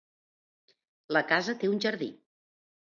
La casa té un jardí.